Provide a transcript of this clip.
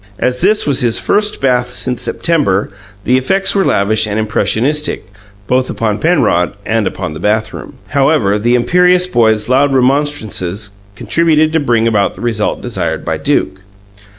As this was his first bath since September, the effects were lavish and impressionistic, both upon Penrod and upon the bathroom. However, the imperious boy's loud remonstrances contributed to bring about the result desired by Duke.